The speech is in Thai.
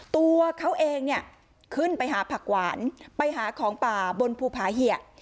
ตัวเขาเองเนี่ยขึ้นไปหาผักหวานไปหาของป่าบนภูผาเหยะ